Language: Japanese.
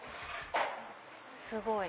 すごい！